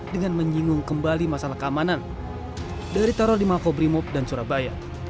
dengan menyingung kembali masalah keamanan dari taro limako brimob dan surabaya